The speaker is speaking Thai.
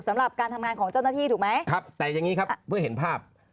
สำหรับการทำงานของเจ้าหน้าที่ถูกไหมครับแต่อย่างนี้ครับเมื่อเห็นภาพ